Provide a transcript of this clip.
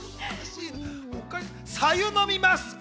白湯、飲みます。